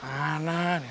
mas aku mau lihat